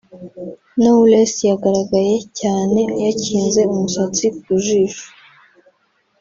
Knowless yagaragaye cyane yakinze umusatsi ku jisho